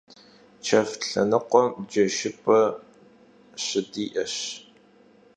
Ç'eft lhenıkhuem ceşşıp'e şıdi'eş.